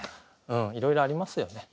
いろいろありますよね。